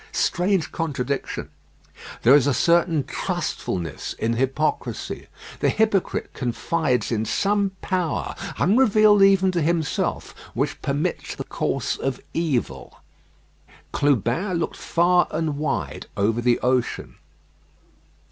Strange contradiction. There is a certain trustfulness in hypocrisy. The hypocrite confides in some power, unrevealed even to himself, which permits the course of evil. Clubin looked far and wide over the ocean.